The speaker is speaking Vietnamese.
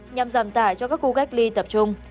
nhằm giảm tải cho các khu cách ly tập trung